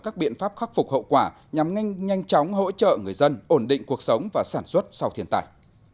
các biện pháp khắc phục hậu quả nhằm nhanh chóng hỗ trợ người dân ổn định cuộc sống và sản xuất sau thiên tài